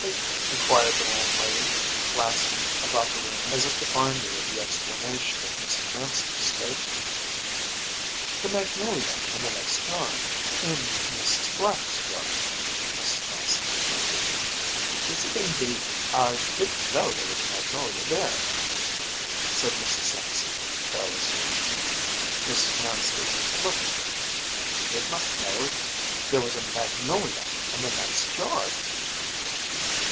‚ÄĚ inquired the landlady, glancing about the room as if to find there the explanation of Mrs. Manstey’s statement. “The magnolia in the next yard in Mrs. Black’s yard,‚ÄĚ Mrs. Manstey repeated. “Is it, indeed? I didn’t know there was a magnolia there,‚ÄĚ said Mrs. Sampson, carelessly. Mrs. Manstey looked at her; she did not know that there was a magnolia in the next yard!